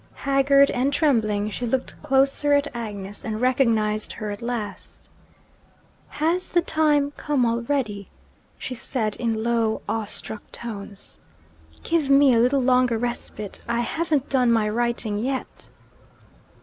Haggard and trembling, she looked closer at Agnes, and recognised her at last. 'Has the time come already?' she said in low awe struck tones. 'Give me a little longer respite, I haven't done my writing yet!'